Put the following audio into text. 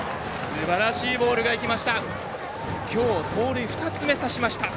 すばらしいボールがいきました。